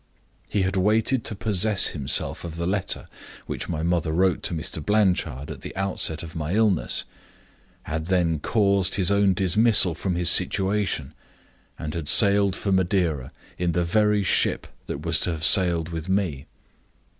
He had waited to possess himself of the letter which my mother wrote to Mr. Blanchard at the outset of my illness had then caused his own dismissal from his situation and had sailed for Madeira in the very ship that was to have sailed with me.